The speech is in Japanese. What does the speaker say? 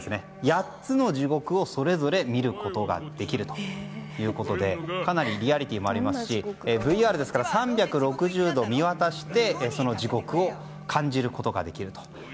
８つの地獄をそれぞれ見ることができるということでかなりリアリティーもありますしＶＲですから３６０度見渡してその地獄を感じることができると。